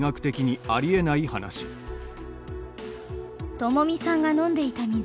ともみさんが飲んでいた水。